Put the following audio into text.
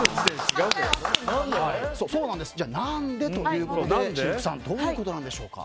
じゃあ、何で？ということでシルクさんどういうことなんでしょうか。